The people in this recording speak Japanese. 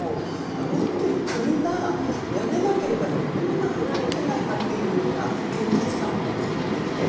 持っている国がやめなければどうにもならないんじゃないかという現実感も迫ってきて。